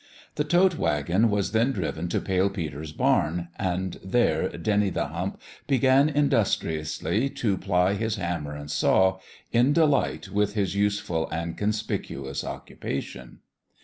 The tote wagon was then driven to Pale Peter's barn ; and there Dennie the Hump began industriously to ply his hammer and saw, in delight with his useful and conspicuous occupation.